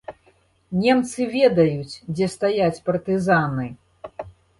Немцы ведаюць, дзе стаяць партызаны.